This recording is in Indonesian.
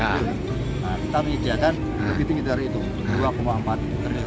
kita menyiapkan lebih tinggi dari itu dua empat triliun